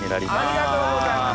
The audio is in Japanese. ありがとうございます。